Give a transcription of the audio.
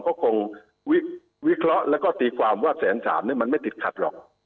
ก็คงวิเคราะห์แล้วก็ตีความว่าแสนสามมันไม่ติดขัดหรอก